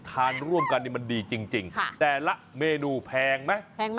ทานร่วมกันนี่มันดีจริงแต่ละเมนูแพงไหมแพงไหม